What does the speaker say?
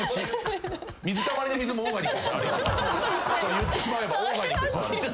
言ってしまえばオーガニック。